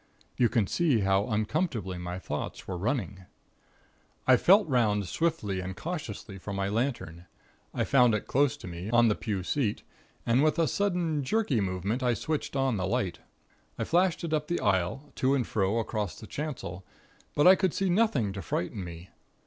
You can see how uncomfortably my thoughts were running. "I felt 'round swiftly and cautiously for my lantern. I found it close to me, on the pew seat, and with a sudden, jerky movement, I switched on the light. I flashed it up the aisle, to and fro across the chancel, but I could see nothing to frighten me.